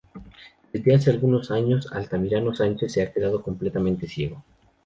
Desde hace algunos años Altamirano Sánchez se ha quedado completamente ciego.